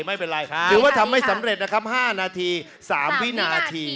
ถือว่าจะทำให้สำเร็จนะครับ๕นาที๓วินาที